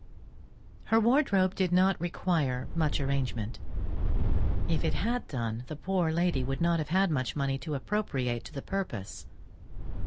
Her wardrobe did not require much arrangement; if it had done, the poor lady would not have had much money to appropriate to the purpose.